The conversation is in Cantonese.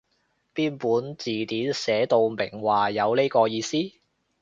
邊本字典寫到明話有呢個意思？